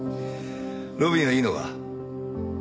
路敏はいいのか？